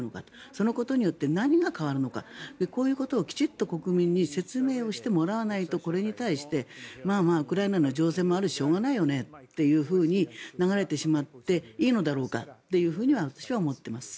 そのことによって何が変わるのかこういうことをきちんと国民に説明をしてもらわないとこれに対して、まあまあウクライナの情勢もあるししょうがないよねというふうに流れてしまっていいのだろうかというふうには私は思っています。